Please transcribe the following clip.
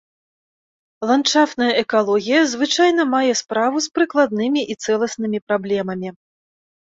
Ландшафтная экалогія звычайна мае справу з прыкладнымі і цэласнымі праблемамі.